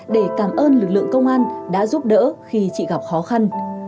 để cảm ơn lực lượng công an đã giúp đỡ khi chị gặp khó khăn